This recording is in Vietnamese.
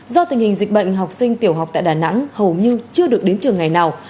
do tình hình dịch bệnh học sinh tiểu học tại đà nẵng hầu như chưa được đến trường ngày nào